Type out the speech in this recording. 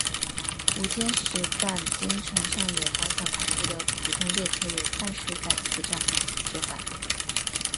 午间时段京成上野方向开出的普通列车有半数在此站折返。